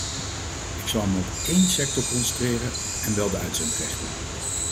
Ik zal me op één sector concentreren, en wel de uitzendrechten.